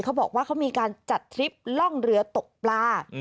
เขาบอกว่าเขามีการจัดทริปล่องเรือตกปลา